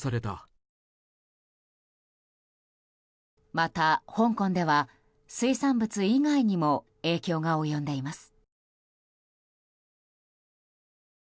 また、香港では水産物以外にも影響が及んでいます。